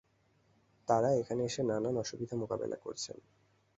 তাঁরা এখানে এসে নানা অসুবিধা মোকাবিলা করছেন।